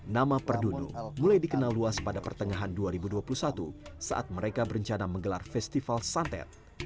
nama perdunu mulai dikenal luas pada pertengahan dua ribu dua puluh satu saat mereka berencana menggelar festival santet